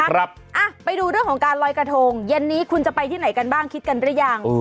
ครับอ่ะไปดูเรื่องของการลอยกระทงเย็นนี้คุณจะไปที่ไหนกันบ้างคิดกันหรือยัง